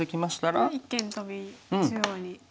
これは一間トビ中央に。